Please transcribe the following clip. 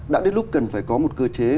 đã đến lúc cần phải có một cơ chế